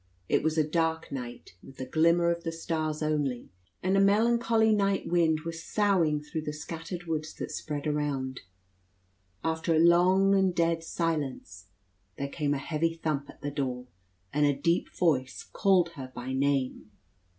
It was a dark night, with the glimmer of the stars only, and a melancholy night wind was soughing through the scattered woods that spread around. After a long and dead silence, there came a heavy thump at the door, and a deep voice called her by name.